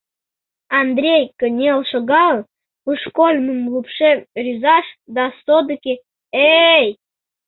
Андрей, кынел шогалын, пушкольмым лупшен-рӱзаш да, содыки, «Э-эй!